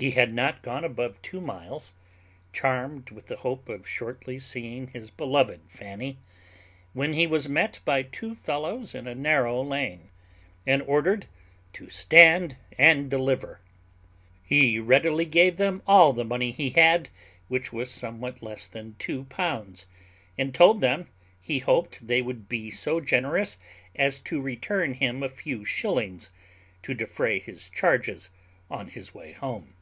He had not gone above two miles, charmed with the hope of shortly seeing his beloved Fanny, when he was met by two fellows in a narrow lane, and ordered to stand and deliver. He readily gave them all the money he had, which was somewhat less than two pounds; and told them he hoped they would be so generous as to return him a few shillings, to defray his charges on his way home.